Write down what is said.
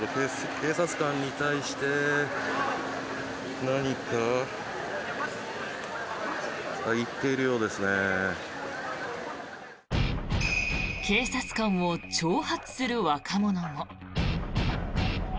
警察官を挑発する若者も。